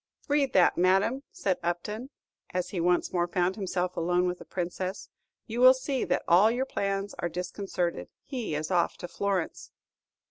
"Read that, madame," said Upton, as he once more found himself alone with the Princess; "you will see that all your plans are disconcerted. He is off to Florence."